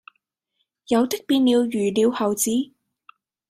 有的變了魚鳥猴子，